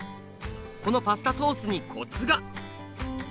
このパスタソースにコツが！